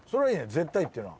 絶対っていうのは。